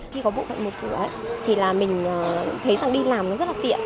khi có bộ phận một cửa thì mình thấy tặng đi làm rất là tiện